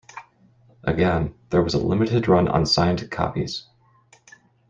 Again, there was a limited run of signed copies.